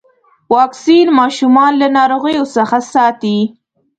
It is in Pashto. واکسین ماشومان له ناروغيو څخه ساتي.